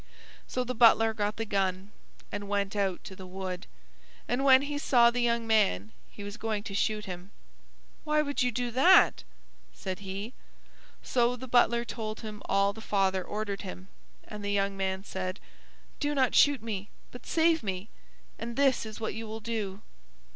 So the butler got the gun, and went out to the wood; and when he saw the young man he was going to shoot him. "Why would you do that?" said he. So the butler told him all the father ordered him; and the young man said, "Do not shoot me, but save me. And this is what you will do.